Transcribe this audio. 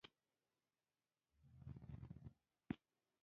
د حکومت غوښتنې په نه منلو سره.